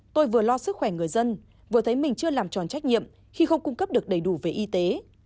tôi vừa lo sức khỏe người dân vừa thấy mình chưa làm tròn trách nhiệm khi không cung cấp được đầy đủ về y tế